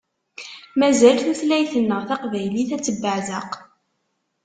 Mazal tutlayt-nneɣ taqbaylit ad tebbeɛzeq.